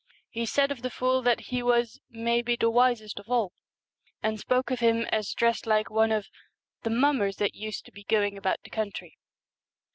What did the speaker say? He said of the fool that he was ' maybe the wisest of all,' and spoke of him as dressed like one of 'the mummers that used to be going about the country.'